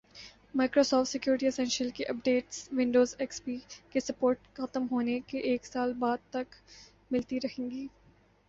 Microsoft security essentials کی updates Windows XP کی support ختم ہونے کے ایک سال بعد تک ملتی رہیں گی